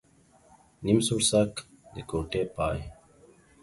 نيم سوړسک ، د کوټې پاى.